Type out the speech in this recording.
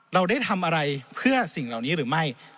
เราได้ทำอะไรเพื่อสิ่งเหล่านี้หรือไม่